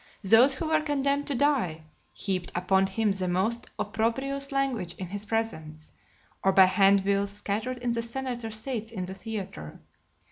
Those who were condemned to die, heaped upon him the most opprobrious language in his presence, or by hand bills scattered in the senators' seats in the theatre.